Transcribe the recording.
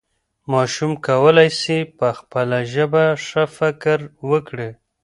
ماشوم کولی سي په خپله ژبه ښه فکر وکړي.